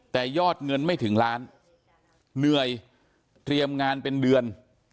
แต่ยอดเงินไม่ถึงล้านเหนื่อยเตรียมงานเป็นเดือน